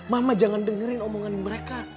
mama jangan dengerin omongan mereka